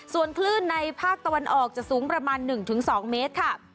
ส่วนคลื่นในภาคตะวันออกจะสูงประมาณหนึ่งถึงสองเมตรค่ะ